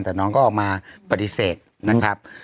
แต่น้องก็ออกมาปฏิเสธนะครับ